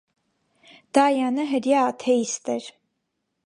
Դայանը հրեա աթեիստ էր։